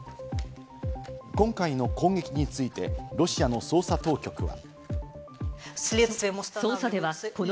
今回の攻撃についてロシアの捜査当局は。